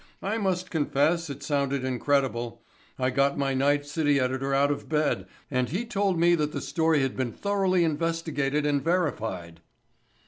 I must confess it sounded incredible. I got my night city editor out of bed and he told me that the story had been thoroughly investigated and verified."